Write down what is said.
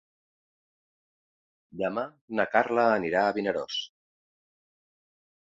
Demà na Carla anirà a Vinaròs.